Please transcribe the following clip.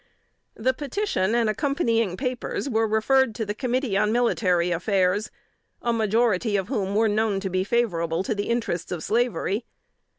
The petition and accompanying papers were referred to the committee on Military Affairs, a majority of whom were known to be favorable to the interests of slavery.